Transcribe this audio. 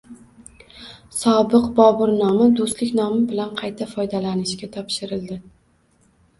Sobiq Bobur bog‘i Do‘stlik nomi bilan qayta foydalanishga topshirildi